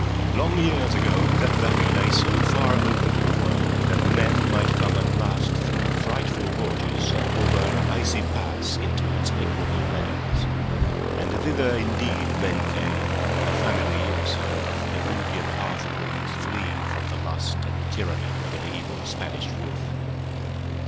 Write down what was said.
Long years ago that valley lay so far open to the world that men might come at last through frightful gorges and over an icy pass into its equable meadows, and thither indeed men came, a family or so of Peruvian half breeds fleeing from the lust and tyranny of an evil Spanish ruler.